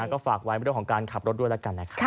ก็ฝากไว้เรื่องของการขับรถด้วยแล้วกันนะครับ